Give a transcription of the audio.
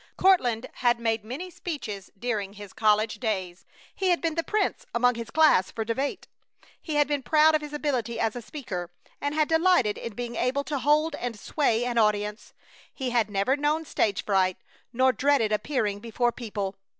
Courtland had made many speeches during his college days. He had been the prince among his class for debate. He had been proud of his ability as a speaker, and had delighted in being able to hold and sway an audience. He had never known stage fright, nor dreaded appearing before people.